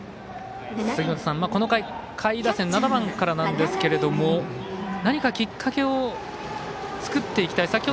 この回、下位打線７番からなんですけど何かきっかけを作っていきたい。